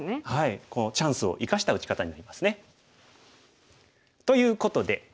このチャンスを生かした打ち方になりますね。ということで。